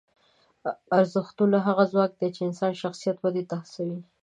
ارزښتونه هغه ځواک دی چې انسان د شخصیت ودې ته هڅوي.